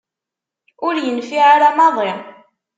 Ur yenfiε ara maḍi.